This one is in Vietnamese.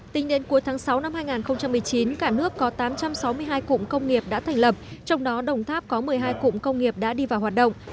tính đến cuối tháng sáu năm hai nghìn một mươi chín cả nước có tám trăm sáu mươi hai cụm công nghiệp đã thành lập trong đó đồng tháp có một mươi hai cụm công nghiệp đã đi vào hoạt động